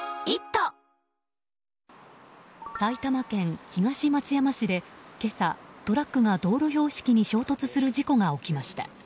埼玉県東松山市で今朝トラックが道路標識に衝突する事故が起きました。